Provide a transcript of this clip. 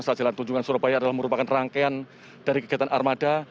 saat jalan tunjungan surabaya adalah merupakan rangkaian dari kegiatan armada